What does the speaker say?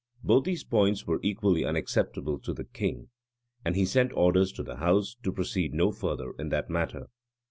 Both these points were equally unacceptable to the king; and he sent orders to the house to proceed no further in that matter.